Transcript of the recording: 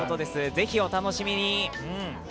ぜひお楽しみに。